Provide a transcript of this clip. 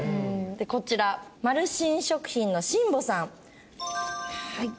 こちらマルシン食品の新保さん。